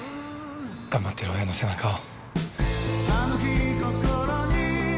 頑張っている親の背中を。